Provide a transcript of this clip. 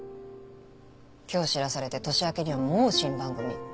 今日知らされて年明けにはもう新番組って。